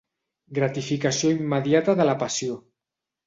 Gratificació immediata de la passió.